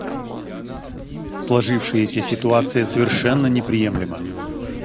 Сложившаяся ситуация совершенно неприемлема.